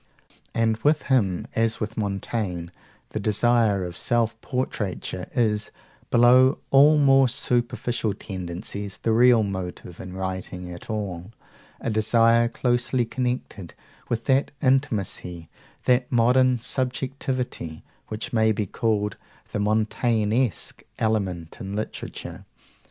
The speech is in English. And with him, as with Montaigne, the desire of self portraiture is, below all more superficial tendencies, the real motive in writing at all a desire closely connected with that intimacy, that modern subjectivity, which may be called the Montaignesque element in literature.